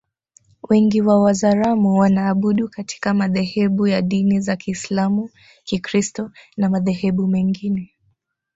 Wengi wa Wazaramo wanaabudu katika madhehebu ya dini za Kiisalamu Kikristo na madhehebu mengine